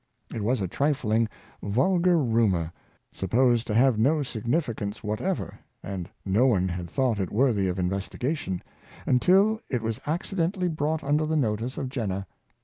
It was a trifling, vulgar rumor, supposed to have no significance what ever, and no one had thought it worthy of investigation, until it was accidentally brought under the notice of Jen Dr. Jenner — Vaccination . 265 ner.